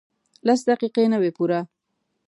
لس دقیقې نه وې پوره.